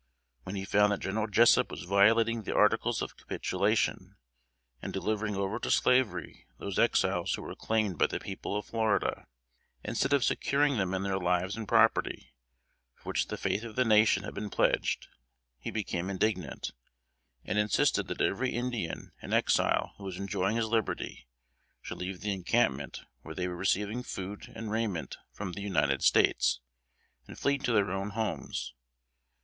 When he found that General Jessup was violating the articles of capitulation, and delivering over to slavery those Exiles who were claimed by the people of Florida, instead of securing them in their lives and property, for which the faith of the nation had been pledged, he became indignant, and insisted that every Indian and Exile who was enjoying his liberty, should leave the encampment where they were receiving food and raiment from the United States, and flee to their own homes.